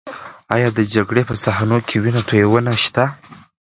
ایا د جګړې په صحنو کې وینه تویدنه شته؟